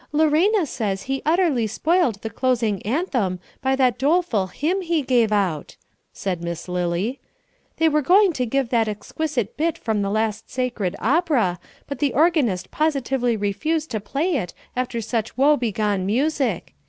"Lorena says he utterly spoiled the closing anthem by that doleful hymn he gave out," said Miss Lily. "They were going to give that exquisite bit from the last sacred opera, but the organist positively refused to play it after such woe begone music.